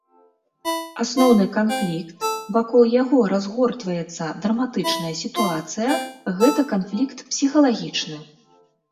Асноўны канфлікт, вакол яго разгортваецца драматычная сітуацыя, гэта канфлікт псіхалагічны.